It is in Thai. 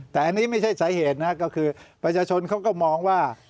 แต่อันนี้ไม่ใช่สาเหตุนะครับก็คือประชาชนเขาก็มองว่า